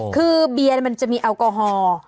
คือเบียร์มันจะมีแอลกอฮอล์